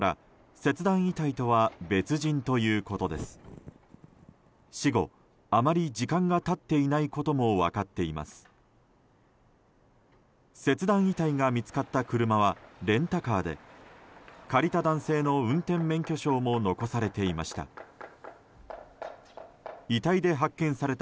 切断遺体が見つかった車はレンタカーで借りた男性の運転免許証も残されていました。